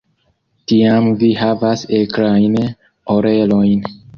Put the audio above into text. Tiam vi havas akrajn orelojn.